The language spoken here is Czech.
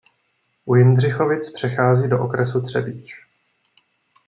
U Jindřichovic přechází do okresu Třebíč.